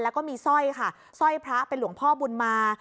แล้วก็มีสร้อยค่ะสร้อยพระเป็นหลวงพ่อบุญมา